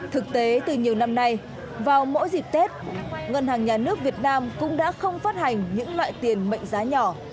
thực tế từ nhiều năm nay vào mỗi dịp tết ngân hàng nhà nước việt nam cũng đã không phát hành những loại tiền mệnh giá nhỏ